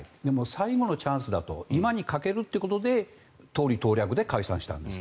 最後のチャンスだと今にかけるということで党利党略で解散をしたんです。